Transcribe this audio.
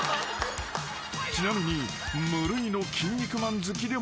［ちなみに］